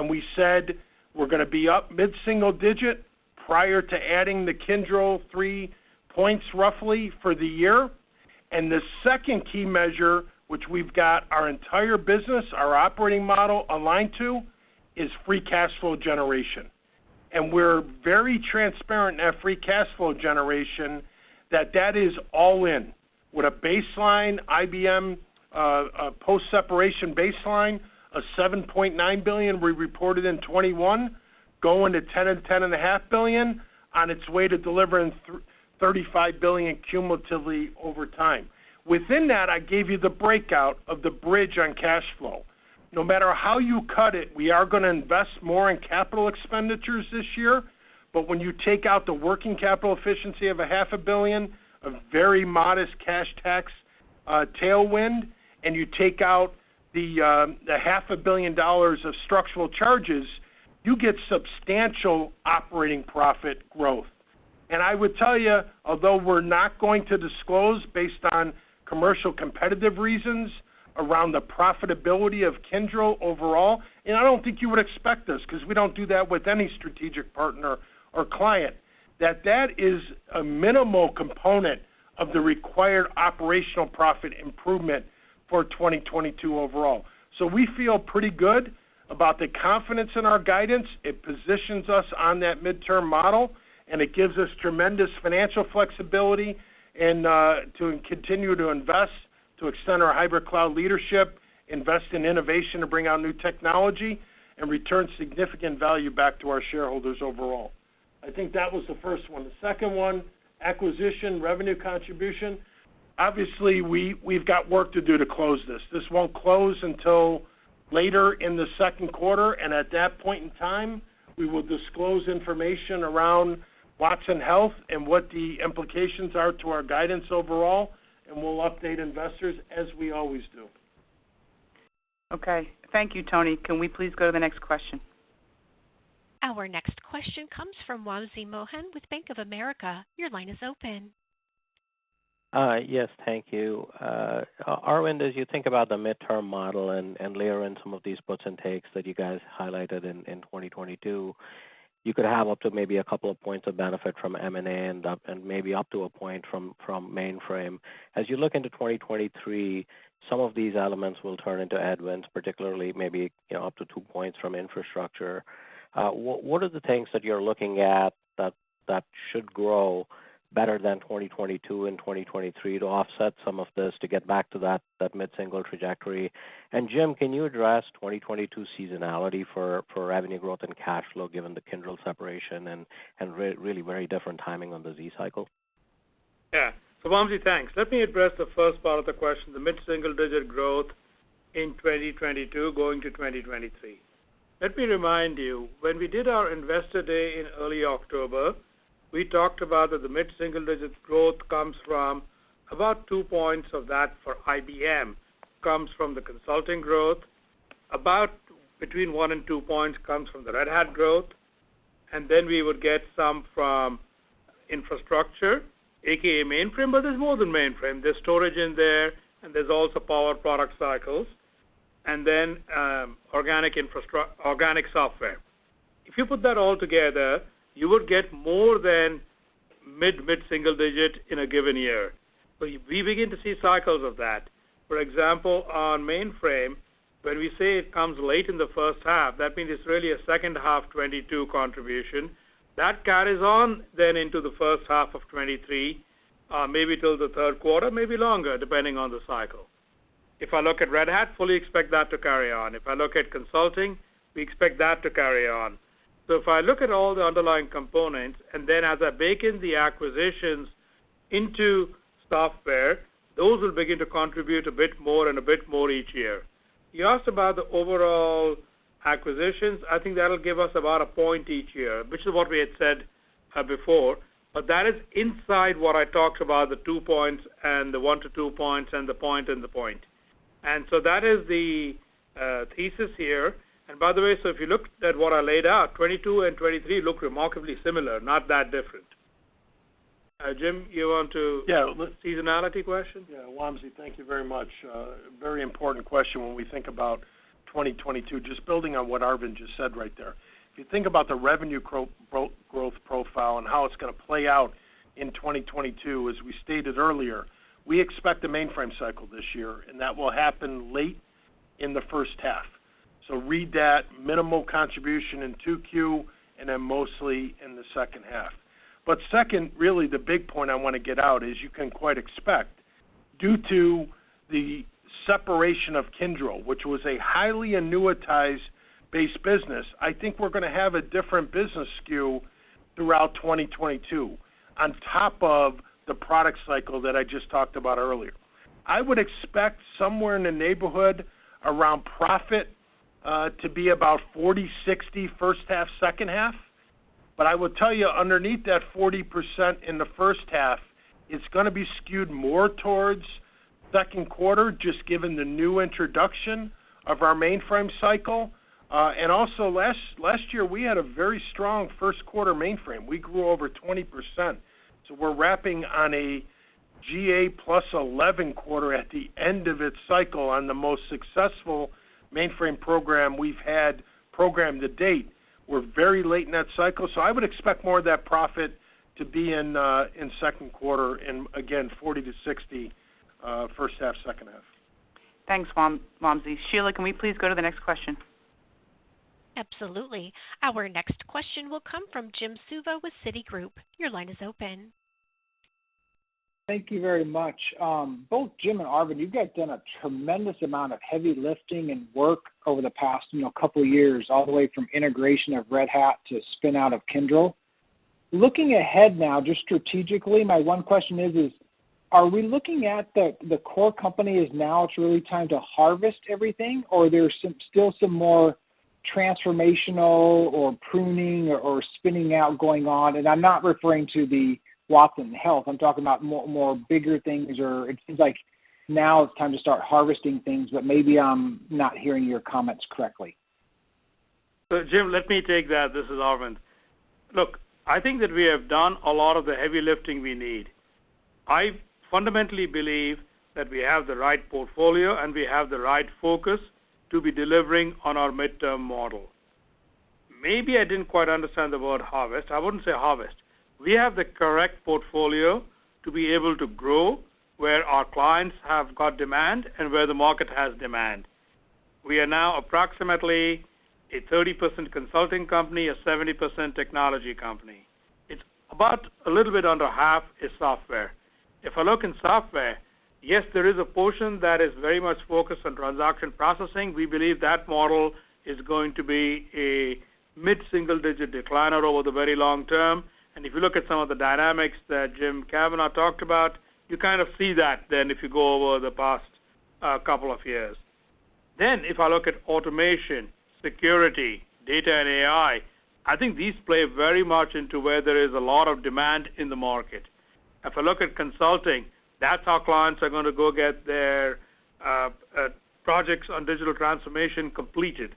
We said we're gonna be up mid-single-digit prior to adding the Kyndryl three points roughly for the year. The second key measure, which we've got our entire business, our operating model aligned to, is free cash flow generation. We're very transparent in that free cash flow generation that is all in with a baseline IBM, a post-separation baseline of $7.9 billion we reported in 2021, going to $10 billion-$10.5 billion on its way to delivering $35 billion cumulatively over time. Within that, I gave you the breakout of the bridge on cash flow. No matter how you cut it, we are gonna invest more in capital expenditures this year. When you take out the working capital efficiency of $500 million, a very modest cash tax tailwind, and you take out the $500 million of structural charges, you get substantial operating profit growth. I would tell you, although we're not going to disclose based on commercial competitive reasons around the profitability of Kyndryl overall, and I don't think you would expect this because we don't do that with any strategic partner or client, that is a minimal component of the required operational profit improvement for 2022 overall. We feel pretty good about the confidence in our guidance. It positions us on that midterm model, and it gives us tremendous financial flexibility and to continue to invest, to extend our hybrid cloud leadership, invest in innovation to bring out new technology and return significant value back to our shareholders overall. I think that was the first one. The second one, acquisition, revenue contribution. Obviously, we've got work to do to close this. This won't close until later in the second quarter, and at that point in time, we will disclose information around Watson Health and what the implications are to our guidance overall, and we'll update investors as we always do. Okay. Thank you, Toni. Can we please go to the next question? Our next question comes from Wamsi Mohan with Bank of America. Your line is open. Yes. Thank you. Arvind, as you think about the midterm model and layer in some of these puts and takes that you guys highlighted in 2022, you could have up to maybe a couple of points of benefit from M&A and up, and maybe up to a point from mainframe. As you look into 2023, some of these elements will turn into headwinds, particularly maybe, you know, up to two points from infrastructure. What are the things that you're looking at that should grow better than 2022 and 2023 to offset some of this to get back to that mid-single trajectory? Jim, can you address 2022 seasonality for revenue growth and cash flow given the Kyndryl separation and really very different timing on the Z cycle? Yeah. Wamsi, thanks. Let me address the first part of the question, the mid-single digit growth in 2022 going to 2023. Let me remind you, when we did our investor day in early October, we talked about that the mid-single digit growth comes from about 2 points of that for IBM, comes from the consulting growth. About between 1 and 2 points comes from the Red Hat growth. Then we would get some from infrastructure, AKA mainframe, but there's more than mainframe. There's storage in there, and there's also power product cycles, and then organic software. If you put that all together, you would get more than mid-single digit in a given year. We begin to see cycles of that. For example, on mainframe, when we say it comes late in the first half, that means it's really a second half 2022 contribution. That carries on then into the first half of 2023, maybe till the third quarter, maybe longer, depending on the cycle. If I look at Red Hat, fully expect that to carry on. If I look at consulting, we expect that to carry on. If I look at all the underlying components, and then as I bake in the acquisitions into software, those will begin to contribute a bit more and a bit more each year. You asked about the overall acquisitions. I think that'll give us about a point each year, which is what we had said, before. That is inside what I talked about, the two points and the one to two points and the point and the point. That is the thesis here. By the way, so if you look at what I laid out, 2022 and 2023 look remarkably similar, not that different. Jim, you want to Yeah, let Seasonality question? Yeah, Wamsi, thank you very much. Very important question when we think about 2022, just building on what Arvind just said right there. If you think about the revenue growth profile and how it's gonna play out in 2022, as we stated earlier, we expect a mainframe cycle this year, and that will happen late in the first half. Read that minimal contribution in 2Q, and then mostly in the second half. Second, really the big point I wanna get out is you can quite expect, due to the separation of Kyndryl, which was a highly annuitized-based business, I think we're gonna have a different business skew throughout 2022, on top of the product cycle that I just talked about earlier. I would expect somewhere in the neighborhood around split to be about 40-60 first half, second half. I will tell you, underneath that 40% in the first half, it's gonna be skewed more towards second quarter, just given the new introduction of our mainframe cycle. And also last year we had a very strong first quarter mainframe. We grew over 20%. So we're wrapping on a GA plus 11 quarter at the end of its cycle on the most successful mainframe program we've had programmed to date. We're very late in that cycle, so I would expect more of that profit to be in second quarter, and again, 40%-60%, first half, second half. Thanks, Wamsi. Sheila, can we please go to the next question? Absolutely. Our next question will come from Jim Suva with Citigroup. Your line is open. Thank you very much. Both Jim and Arvind, you guys done a tremendous amount of heavy lifting and work over the past, you know, couple years, all the way from integration of Red Hat to spin out of Kyndryl. Looking ahead now, just strategically, my one question is, are we looking at the core company now it's really time to harvest everything, or there's still some more transformational or pruning or spinning out going on? I'm not referring to the Watson Health. I'm talking about more bigger things or it seems like now it's time to start harvesting things, but maybe I'm not hearing your comments correctly. Jim, let me take that. This is Arvind. Look, I think that we have done a lot of the heavy lifting we need. I fundamentally believe that we have the right portfolio and we have the right focus to be delivering on our midterm model. Maybe I didn't quite understand the word harvest. I wouldn't say harvest. We have the correct portfolio to be able to grow where our clients have got demand and where the market has demand. We are now approximately a 30% consulting company, a 70% technology company. It's about a little bit under half is software. If I look in software, yes, there is a portion that is very much focused on transaction processing. We believe that model is going to be a mid-single digit decliner over the very long term. If you look at some of the dynamics that Jim Kavanaugh talked about, you kind of see that if you go over the past couple of years. If I look at automation, security, data and AI, I think these play very much into where there is a lot of demand in the market. If I look at consulting, that's how clients are gonna go get their projects on digital transformation completed.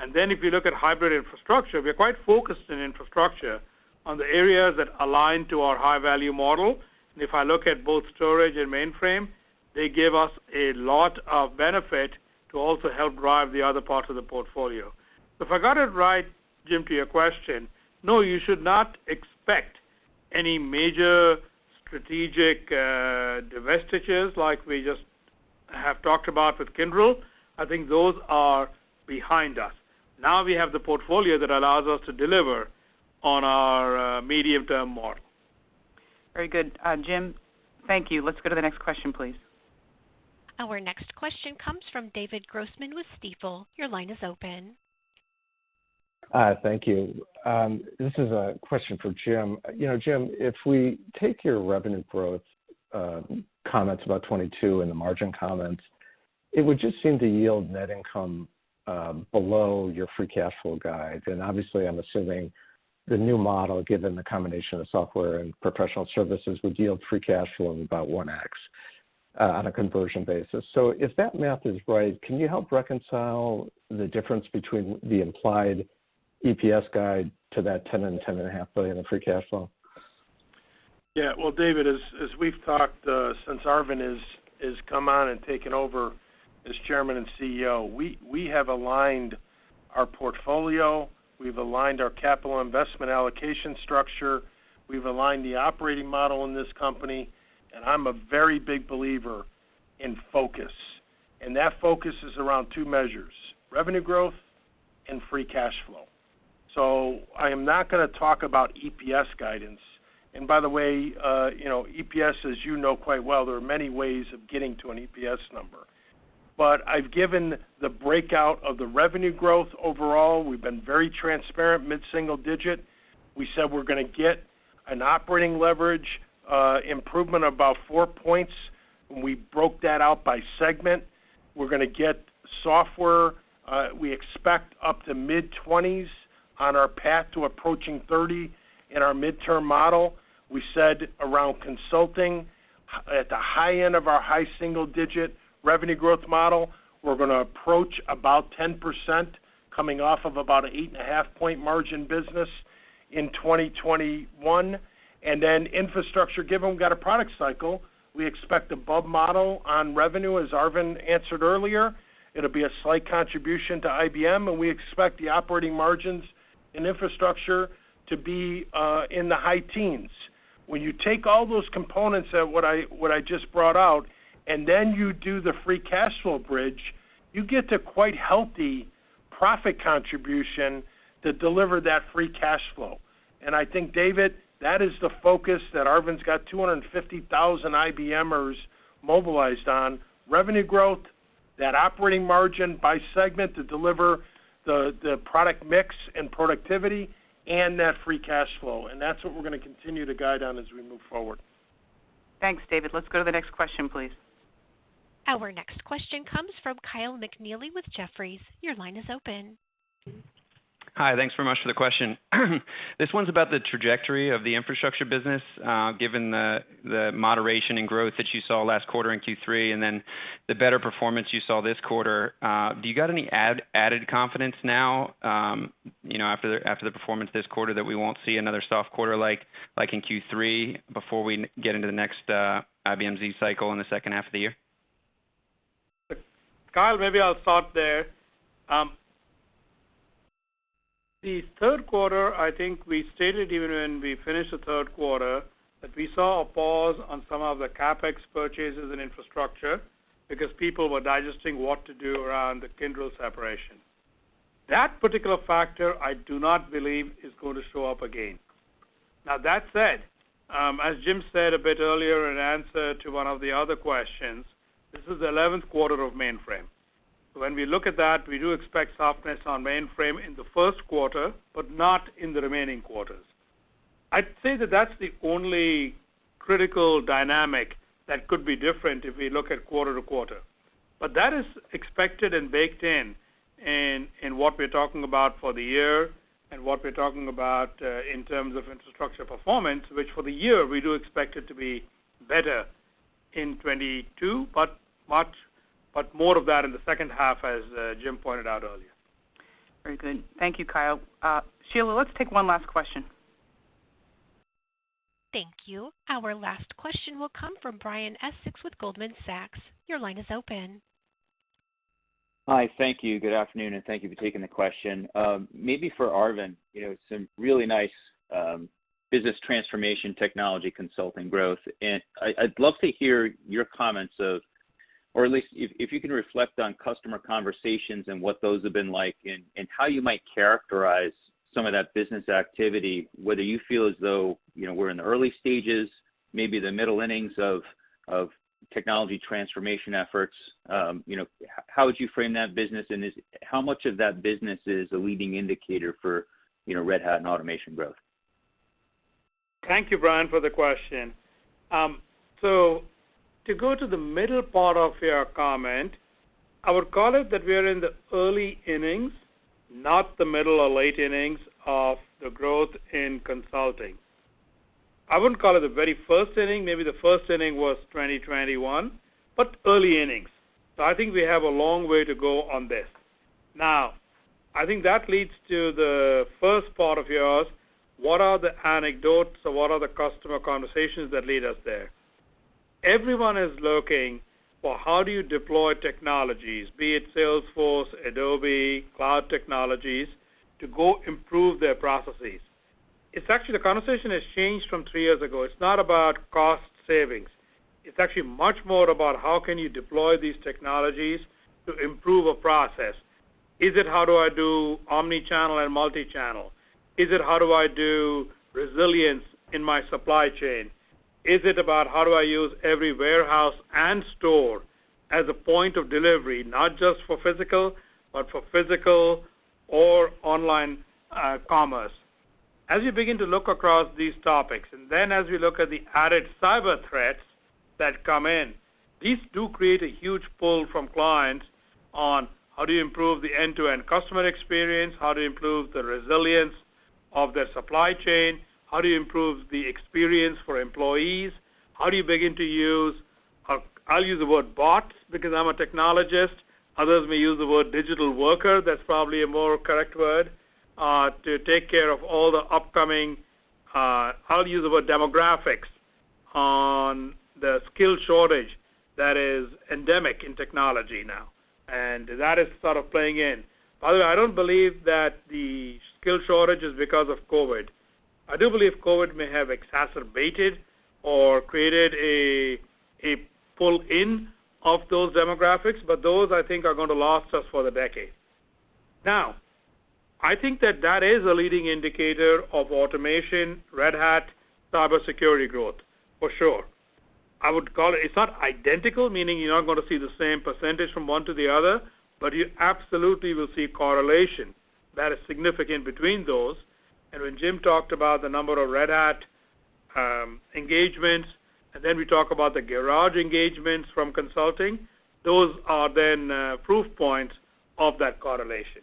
If you look at hybrid infrastructure, we are quite focused in infrastructure on the areas that align to our high-value model. If I look at both storage and mainframe, they give us a lot of benefit to also help drive the other parts of the portfolio. If I got it right, Jim, to your question, no, you should not expect any major strategic, divestitures like we just have talked about with Kyndryl. I think those are behind us. Now we have the portfolio that allows us to deliver on our, medium-term model. Very good. Jim, thank you. Let's go to the next question, please. Our next question comes from David Grossman with Stifel. Your line is open. Hi, thank you. This is a question for Jim. You know, Jim, if we take your revenue growth comments about 2022 and the margin comments, it would just seem to yield net income below your free cash flow guide. Obviously, I'm assuming the new model, given the combination of software and professional services, would yield free cash flow of about 1x on a conversion basis. If that math is right, can you help reconcile the difference between the implied EPS guide to that $10 billion-$10.5 billion in free cash flow? Yeah. Well, David, as we've talked since Arvind has come on and taken over as Chairman and CEO, we have aligned our portfolio, we've aligned our capital investment allocation structure, we've aligned the operating model in this company, and I'm a very big believer in focus. That focus is around two measures: revenue growth and free cash flow. I am not gonna talk about EPS guidance. By the way, you know, EPS, as you know quite well, there are many ways of getting to an EPS number. I've given the breakout of the revenue growth overall. We've been very transparent, mid-single-digit%. We said we're gonna get an operating leverage improvement of about 4 points, and we broke that out by segment. We're gonna get Software, we expect up to mid 20% on our path to approaching 30% in our mid-term model. We said around Consulting, at the high end of our high single-digit revenue growth model, we're gonna approach about 10% coming off of about an 8.5 point margin business in 2021. Infrastructure, given we've got a product cycle, we expect above model on revenue, as Arvind answered earlier. It'll be a slight contribution to IBM, and we expect the operating margins in Infrastructure to be in the high teens%. When you take all those components that I just brought out, and then you do the free cash flow bridge, you get to quite healthy profit contribution to deliver that free cash flow. I think, David, that is the focus that Arvind's got 250,000 IBMers mobilized on, revenue growth, that operating margin by segment to deliver the product mix and productivity and that free cash flow. That's what we're gonna continue to guide on as we move forward. Thanks, David. Let's go to the next question, please. Our next question comes from Kyle McNealy with Jefferies. Your line is open. Hi. Thanks very much for the question. This one's about the trajectory of the Infrastructure business, given the moderation in growth that you saw last quarter in Q3 and then the better performance you saw this quarter. Do you got any added confidence now, you know, after the performance this quarter that we won't see another soft quarter like in Q3 before we get into the next IBM Z cycle in the second half of the year? Kyle, maybe I'll start there. The third quarter, I think we stated even when we finished the third quarter, that we saw a pause on some of the CapEx purchases in infrastructure because people were digesting what to do around the Kyndryl separation. That particular factor I do not believe is gonna show up again. Now that said, as Jim said a bit earlier in answer to one of the other questions, this is the 11th quarter of mainframe. So when we look at that, we do expect softness on mainframe in the first quarter, but not in the remaining quarters. I'd say that that's the only critical dynamic that could be different if we look at quarter to quarter. That is expected and baked in in what we're talking about for the year and what we're talking about in terms of Infrastructure performance, which for the year, we do expect it to be better in 2022, but more of that in the second half, as Jim pointed out earlier. Very good. Thank you, Kyle. Sheila, let's take one last question. Thank you. Our last question will come from Brian Essex with Goldman Sachs. Your line is open. Hi. Thank you. Good afternoon, and thank you for taking the question. Maybe for Arvind, you know, some really nice business transformation technology consulting growth. I’d love to hear your comments on or at least if you can reflect on customer conversations and what those have been like and how you might characterize some of that business activity, whether you feel as though, you know, we’re in the early stages, maybe the middle innings of technology transformation efforts. You know, how would you frame that business, and how much of that business is a leading indicator for, you know, Red Hat and automation growth? Thank you, Brian, for the question. To go to the middle part of your comment, I would call it that we are in the early innings, not the middle or late innings of the growth in consulting. I wouldn't call it the very first inning. Maybe the first inning was 2021, but early innings. I think we have a long way to go on this. Now, I think that leads to the first part of yours, what are the anecdotes or what are the customer conversations that lead us there? Everyone is looking for how do you deploy technologies, be it Salesforce, Adobe, cloud technologies, to go improve their processes. It's actually the conversation has changed from three years ago. It's not about cost savings. It's actually much more about how can you deploy these technologies to improve a process. Is it how do I do omni-channel and multi-channel? Is it how do I do resilience in my supply chain? Is it about how do I use every warehouse and store as a point of delivery, not just for physical, but for physical or online commerce? As you begin to look across these topics, and then as we look at the added cyber threats that come in, these do create a huge pull from clients on how do you improve the end-to-end customer experience. How do you improve the resilience of their supply chain? How do you improve the experience for employees? How do you begin to use, I'll use the word bots because I'm a technologist. Others may use the word digital worker, that's probably a more correct word, to take care of all the upcoming, I'll use the word demographics on the skill shortage that is endemic in technology now. That is sort of playing in. By the way, I don't believe that the skill shortage is because of COVID. I do believe COVID may have exacerbated or created a pull-in of those demographics, but those I think are gonna last us for the decade. Now, I think that is a leading indicator of automation, Red Hat, cybersecurity growth, for sure. I would call it. It's not identical, meaning you're not gonna see the same percentage from one to the other, but you absolutely will see correlation that is significant between those. When Jim talked about the number of Red Hat engagements, and then we talk about the Garage engagements from consulting, those are proof points of that correlation.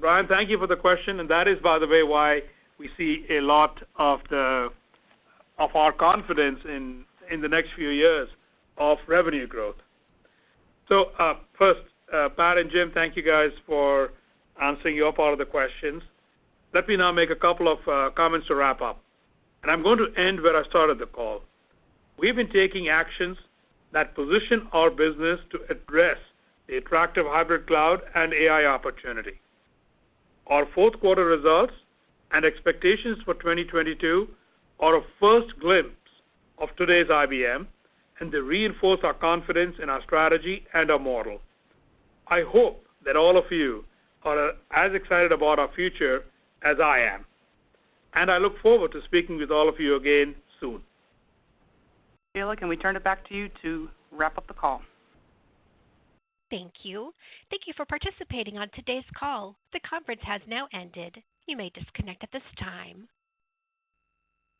Brian, thank you for the question, and that is, by the way, why we see a lot of our confidence in the next few years of revenue growth. First, Pat and Jim, thank you guys for answering your part of the questions. Let me now make a couple of comments to wrap up. I'm going to end where I started the call. We've been taking actions that position our business to address the attractive hybrid cloud and AI opportunity. Our fourth quarter results and expectations for 2022 are a first glimpse of today's IBM, and they reinforce our confidence in our strategy and our model. I hope that all of you are as excited about our future as I am, and I look forward to speaking with all of you again soon. Sheila, can we turn it back to you to wrap up the call? Thank you. Thank you for participating on today's call. The conference has now ended. You may disconnect at this time.